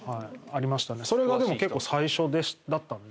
それが結構最初だったんで。